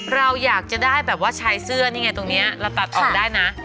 เราอยากจะได้แบบว่าชายเสื้อนี่ไงตรงนี้เราตัดออกได้นะ